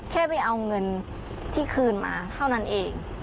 แค่ไปเอาเงินที่คืนมาเท่านั้นเอง